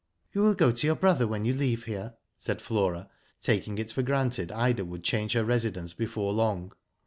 " You will go to your brother when you leave here?" said Flora, taking it for granted Ida would change her residence before long.